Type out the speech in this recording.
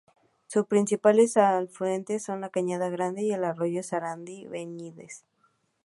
Sus principales afluentes son la cañada Grande y el arroyo Sarandí Benítez.